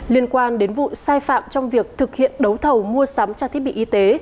liên quan đến vụ sai phạm trong việc thực hiện đấu thầu mua sắm trang thiết bị y tế